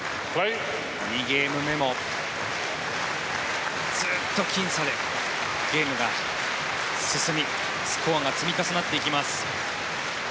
２ゲーム目もずっときん差でゲームが進みスコアが積み重なっていきます。